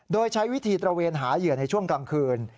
โดยใช้วิธีตระเวนหาเหยื่อในช่วงกลางคืน